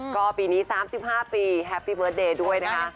ก็ปีนี้๓๕ปีแฮปปี้เบิร์ตเดย์ด้วยนะคะ